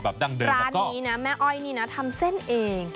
ร้านนี้นะแม่อ้อยนี่นะทำเส้นเอง